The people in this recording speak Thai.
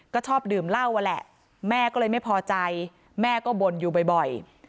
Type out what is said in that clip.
ก็ชอบดื่มเหล้าอะแหละแม่ก็เลยไม่พอใจแม่ก็บ่นอยู่บ่อย